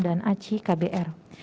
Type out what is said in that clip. dan aci kbr